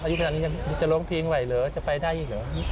อายุขนาดนี้จะล้องเพลงไหวหรือจะไปได้หรือ